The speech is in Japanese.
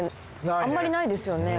あんまりないですよね？